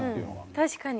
確かに。